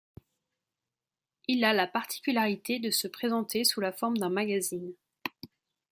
Il a la particularité de se présenter sous la forme d'un magazine.